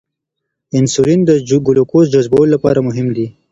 انسولین د ګلوکوز جذبولو لپاره مهم دی.